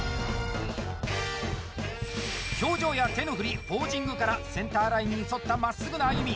表情や手の振り、ポージングからセンターラインに沿ったまっすぐな歩み。